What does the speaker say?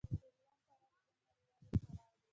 درېیم پړاو د ژوند د نويوالي پړاو دی